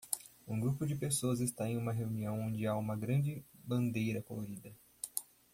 Um grupo de pessoas está em uma reunião onde há uma grande bandeira colorida